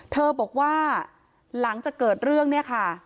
เธอบอกว่าหลังจากเกิดเรื่องเนี่ยค่ะ